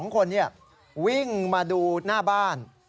๒คนวิ่งมาดูหน้าบ้าน